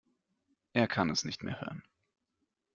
Er kann es nicht mehr hören.